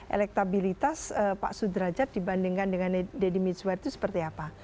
elektabilitas pak sudrajat dibandingkan dengan deddy mizwar itu seperti apa